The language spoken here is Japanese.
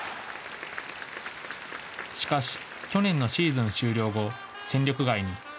しかし、去年のシーズン終了後戦力外に。